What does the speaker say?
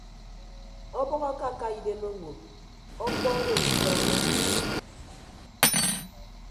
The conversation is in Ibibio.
Ọbʌk akaka idem owo ọkpọ odo nsọọñọ.